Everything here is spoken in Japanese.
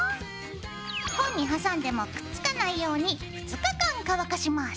本に挟んでもくっつかないように２日間乾かします。